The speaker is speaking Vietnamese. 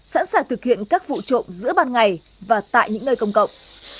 sẵn sàng thực hiện các vụ trộm giữa ban ngày và tại những nơi công cộng